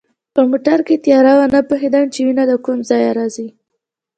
په موټر کې تیاره وه، نه پوهېدم چي وینه له کومه ځایه راځي.